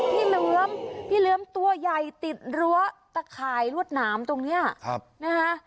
พี่เลื้อมพี่เลื้อมตัวใหญ่ติดรั้วตะขายรวดน้ำตรงเนี่ยนะฮะ